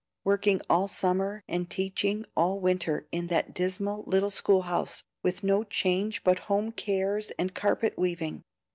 Working all summer and teaching all winter in that dismal little school house, with no change but home cares and carpet weaving!